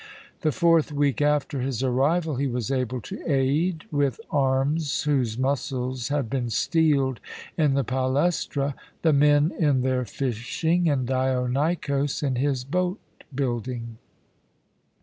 The fourth week after his arrival he was able to aid, with arms whose muscles had been steeled in the palæstra, the men in their fishing, and Dionikos in his boat building.